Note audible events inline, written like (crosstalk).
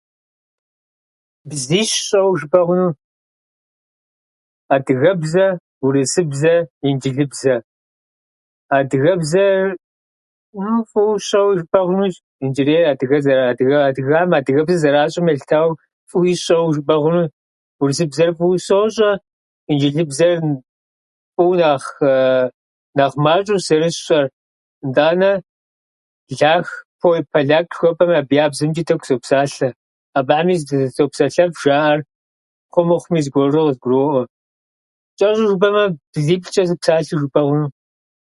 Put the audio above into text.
Бзищ сщӏэуэ жыпӏэ хъуну: адыгэбзэ, урысыбзэ, инджылыбзэ. Адыгэбзэр фӏыуэ сщӏэуэ жыпӏэ хъунущ. иджырей- адыгэ зэрыадыгэ- адыгэхьэм адыгэбзэ зэращӏэм елъытау фӏыуи сщӏэуэ жыпӏэ хъуну. Урысыбзэр фӏыуэ сощӏэ. Инджылыбзэр фӏыуэ нэхъ- нэхъ мащӏэущ зэрысщӏэр. Нтӏанэ (unintelligible) поляк жыхуэпӏэм абы я бзэмчӏи тӏэкӏу сопсалъэ. Абыхьэми сопсэлъэф, жаӏэр хъу мыхъуми зыгуэрурэ къызгуроӏуэ. Чӏэщӏу жыпӏэмэ, бзиплӏчӏэ сыпсалъэу жыпӏэ хъуну.